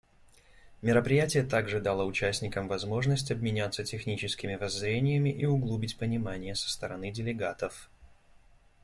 Мероприятие также дало участникам возможность обменяться техническими воззрениями и углубить понимание со стороны делегатов.